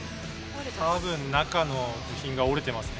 多分中の部品が折れてますね。